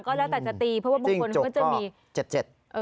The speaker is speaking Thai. ก็แล้วแต่จะตีเพราะว่าบางคนก็จะมีเจ็ดเจ็ด